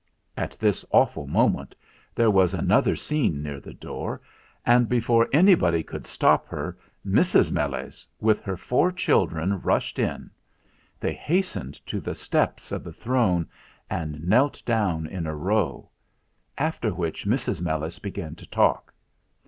At this awful moment there was another scene near the door, and, before anybody could stop her, Mrs. Meles, with her four children, "SEND FOR CHARLES!" 295 rushed in. They hastened to the steps of the throne and knelt down in a row. After which Mrs. Meles began to talk.